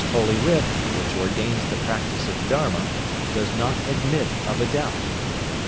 Holy Writ, which ordains the practice of Dharma, does not admit of a doubt.